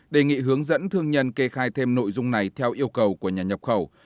đề nghị hướng dẫn thương nhân kê khai thêm nội dung này theo yêu cầu của nhà nhập khẩu